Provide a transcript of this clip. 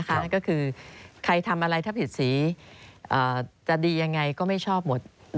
นั่นก็คือใครทำอะไรถ้าผิดสีจะดียังไงก็ไม่ชอบหมด